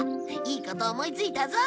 いいこと思いついたぞ！